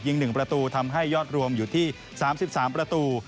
๑ประตูทำให้ยอดรวมอยู่ที่๓๓ประตู